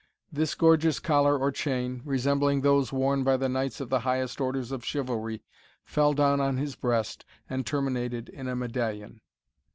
This gorgeous collar or chain, resembling those worn by the knights of the highest orders of chivalry, fell down on his breast, and terminated in a medallion.